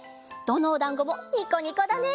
どのおだんごもニコニコだね。